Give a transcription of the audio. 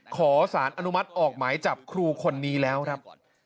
ขอสารอนุมัติออกหมายจับครูคนนี้แล้วครับ